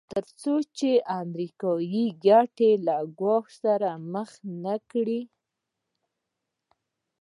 تر څو چې امریکایي ګټې له ګواښ سره مخ نه کړي.